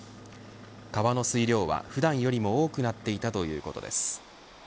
川の水量は普段よりも多くなっていたということです。